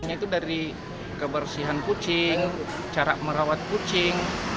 itu dari kebersihan kucing cara merawat kucing